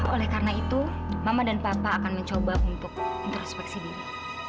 oleh karena itu mama dan papa akan mencoba untuk introspeksi diri